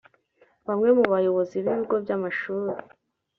Bamwe mu bayobozi b’ibigo by’amashuri